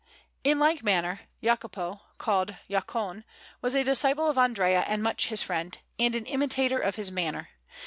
In like manner, Jacopo, called Jacone, was a disciple of Andrea and much his friend, and an imitator of his manner.